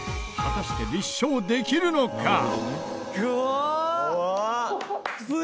果たして立証できるのか？